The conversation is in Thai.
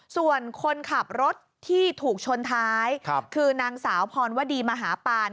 ส่วนคนขับรถที่ถูกชนท้ายคือนางสาวพรวดีมหาปาน